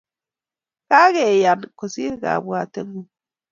Kageyan kosiir kabwatengung